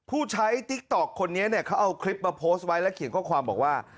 ผู้ใช้ติ๊กต๊อกคนนี้เนี่ยเขาเอาคลิปมาโพสต์ไว้และเขียนข้อความบอกว่า